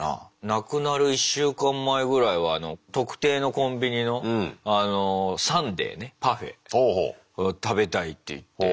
なくなる１週間前ぐらいは特定のコンビニのサンデーねパフェを食べたいって言って。